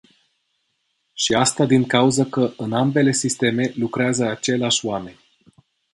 Și asta din cauză că în ambele sisteme lucrează aceIași oameni.